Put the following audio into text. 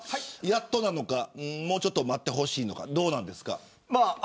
やっとなのか、もうちょっと待ってほしいのか、どうですか。